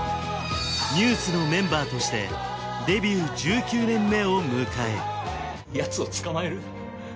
ＮＥＷＳのメンバーとしてデビュー１９年目を迎えやつをつかまえる？